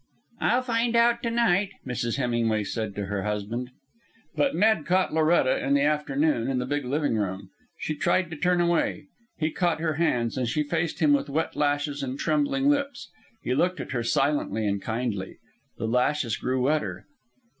"I'll find out to night," Mrs. Hemingway said to her husband. But Ned caught Loretta in the afternoon in the big living room. She tried to turn away. He caught her hands, and she faced him with wet lashes and trembling lips. He looked at her, silently and kindly. The lashes grew wetter.